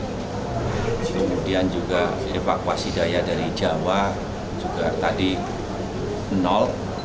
kemudian juga evakuasi daya dari jawa juga tadi nol